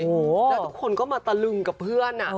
แล้วทุกคนก็มาตะลึงกับเพื่อน